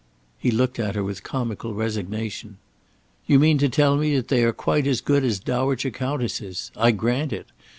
He looked at her with comical resignation. "You mean to tell me that they are quite as good as dowager countesses. I grant it.